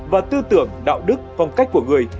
và tư tưởng đạo đức phong cách của người